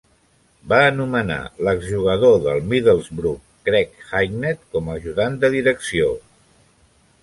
Va anomenar l'exjugador del Middlesbrough Craig Hignett com a ajudant de direcció.